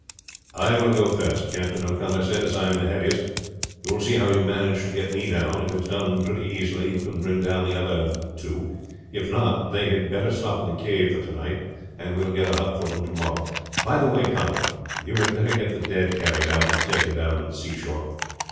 "I will go first," Captain O'Connor said, "as I am the heaviest. You will see how you manage to get me down. If it's done pretty easily you can bring down the two others; if not, they had better stop in the cave for to night, and we will get a hut for them to morrow. By the way, Conway, you had better get the dead carried out and taken down to the seashore.